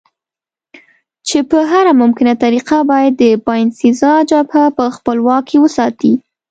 چې په هره ممکنه طریقه باید د باینسېزا جبهه په خپل واک کې وساتي.